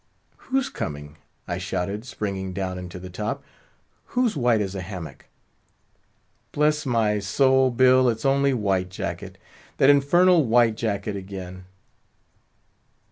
"Who's coming?" I shouted, springing down into the top; "who's white as a hammock?" "Bless my soul, Bill it's only White Jacket—that infernal White Jacket again!"